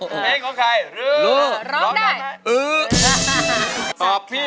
เฮ้งไหมไป